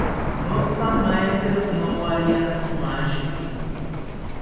Nothamaetziro nowariantzimashiki